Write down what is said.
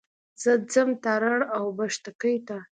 زه ځم تارڼ اوبښتکۍ ته.